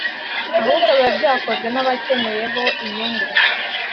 ahubwo biba byakozwe n’ababakeneyeho inyungu